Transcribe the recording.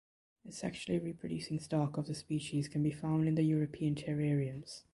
A sexually reproducing stock of the species can be found in the European terrariums.